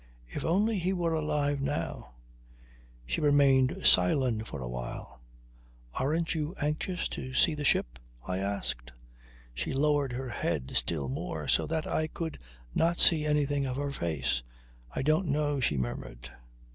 If only he were alive now ...! She remained silent for a while. "Aren't you anxious to see the ship?" I asked. She lowered her head still more so that I could not see anything of her face. "I don't know," she murmured.